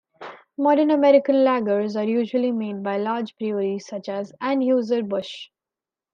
Modern American lagers are usually made by large breweries such as Anheuser-Busch.